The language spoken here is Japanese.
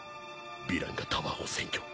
ヴィランがタワーを占拠。